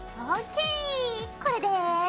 これで。